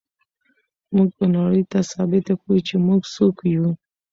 موږ به نړۍ ته ثابته کړو چې موږ څوک یو.